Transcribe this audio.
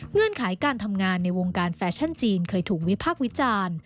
เงื่อนไขการทำงานในวงการแฟชั่นจีนเคยถูกวิพากษ์วิจารณ์